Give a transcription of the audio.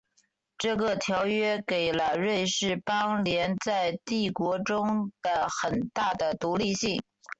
这个条约给了瑞士邦联在帝国中的很大的独立性。